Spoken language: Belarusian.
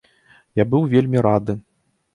Я быў вельмі рады.